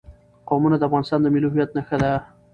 قومونه د افغانستان د ملي هویت نښه ده.